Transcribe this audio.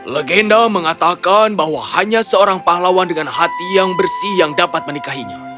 legenda mengatakan bahwa hanya seorang pahlawan dengan hati yang bersih yang dapat menikahinya